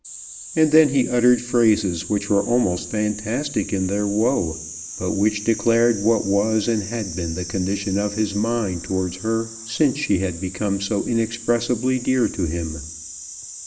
And then he uttered phrases which were almost fantastic in their woe, but which declared what was and had been the condition of his mind towards her since she had become so inexpressibly dear to him.